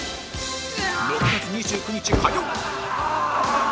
６月２９日火曜ああ！